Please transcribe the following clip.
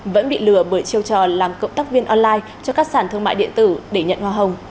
vẫn bị lừa bởi chiêu trò làm cộng tác viên online cho các sản thương mại điện tử để nhận hoa hồng